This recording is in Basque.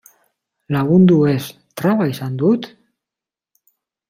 Lagundu ez, traba izan dut?